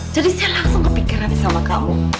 jadi saya langsung kepikiran sama kamu